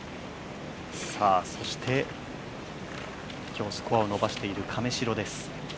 そして今日スコアを伸ばしている亀代です。